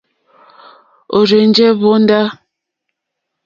Ó rzènjé hvóndá.